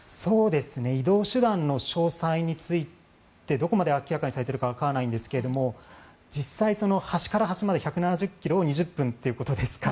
移動手段の詳細についてどこまで明らかにされているかわからないんですが実際、端から端まで１７０ｋｍを２０分ということですから。